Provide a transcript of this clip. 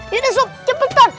yaudah sob cepetan